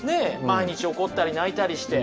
毎日怒ったり泣いたりして。